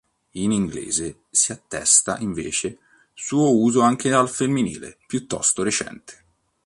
In inglese si attesta invece suo uso anche al femminile, piuttosto recente.